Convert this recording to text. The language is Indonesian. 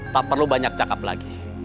tak perlu banyak cakap lagi